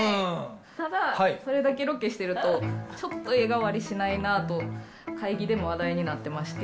ただ、これだけロケしてると、ちょっと絵変わりしないなと、会議でも話え？